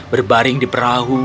berbaring di perahu